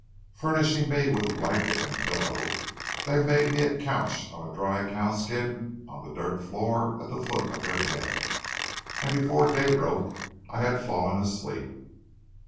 Furnishing me with a blanket and pillow, they made me a couch on a dry cowskin on the dirt floor at the foot of their bed, and before day broke I had fallen asleep.